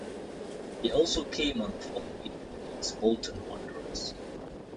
He also came on the following week against Bolton Wanderers.